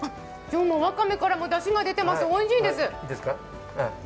今日もわかめからもだしが出てます、おいしいですね。